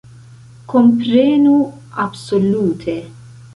Komprenu, absolute!